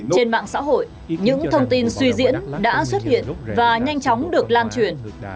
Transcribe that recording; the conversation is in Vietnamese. trên mạng xã hội những thông tin suy diễn đã xuất hiện và nhanh chóng được lan truyền